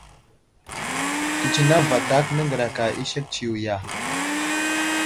Kətsineŋ vatak nəŋgəraka i sek tsiyo ya ?